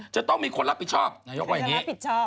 จะต้องมีคนรับผิดชอบนายกว่าอย่างนี้